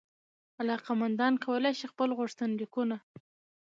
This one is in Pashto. علاقمندان کولای سي خپل غوښتنلیکونه